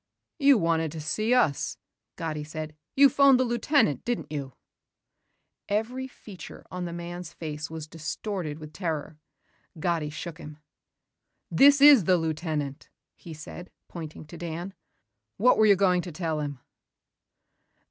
"You wanted to see us," Gatti said. "You phoned the lieutenant, didn't you?" Every feature of the man's face was distorted with terror. Gatti shook him. "This is the lieutenant," he said pointing to Dan. "What were you going to tell him?"